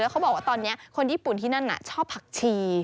เขาบอกว่าตอนนี้คนญี่ปุ่นที่นั่นชอบผักชี